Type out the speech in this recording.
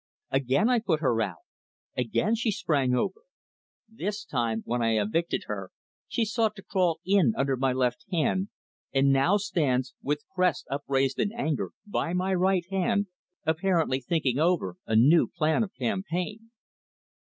Again I put her out. Again she sprang over. This time when I evicted her, she sought to crawl in under my left hand, and now stands, with crest upraised in anger, by my right hand, apparently thinking over a new plan of campaign.